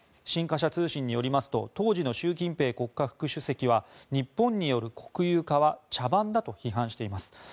新華社通信によりますと当時の習近平国家副主席は日本による国有化は茶番だと批判しています。